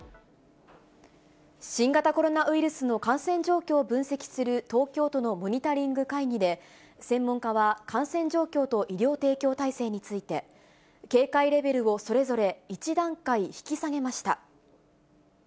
新型コロナウイルスの感染状況を分析する東京都のモニタリング会議で、専門家は、感染状況と医療提供体制について、警戒レベルをそれぞれ、１段階引き下げました。